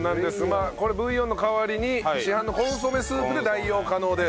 まあこれブイヨンの代わりに市販のコンソメスープで代用可能です。